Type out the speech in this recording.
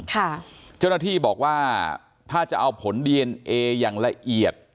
เจ้าหน้าที่บอกว่าถ้าจะเอาผลดีเอนเออย่างละเอียด